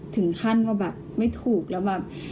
ถึงขั้นว่าแบบไม่ถูกแล้วแบบ